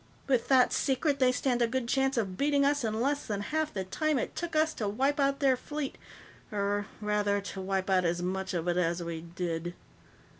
With that secret, they stand a good chance of beating us in less than half the time it took us to wipe out their fleet or, rather, to wipe out as much of it as we did."